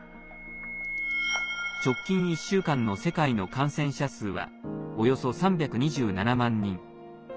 直近１週間の世界の感染者数はおよそ３２７万人。